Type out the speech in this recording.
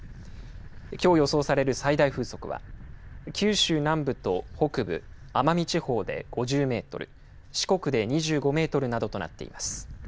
きょう予想される最大風速は、九州南部と北部、奄美地方で５０メートル、四国で２５メートルなどとなっています。